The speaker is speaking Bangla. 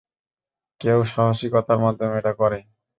কেউ সাহসিকতার মাধ্যমে এটা করে।